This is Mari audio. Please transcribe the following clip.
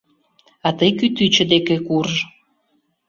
А тый кӱтӱчӧ деке курж.